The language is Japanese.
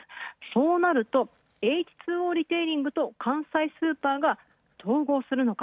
そうなると、Ｈ２Ｏリテイリングと関西スーパーが統合するのか？